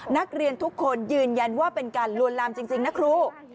นักเรียนทุกคนยืนยันว่าเป็นการลวนลามจริงนะครู